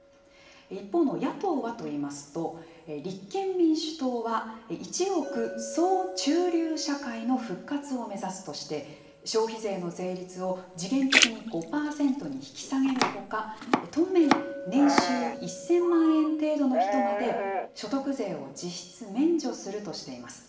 一方の野党はといいますと、立憲民主党は、１億総中流社会の復活を目指すとして、消費税の税率を時限的に５％に引き下げるほか、当面、年収１０００万円程度の人まで、所得税を実質免除するとしています。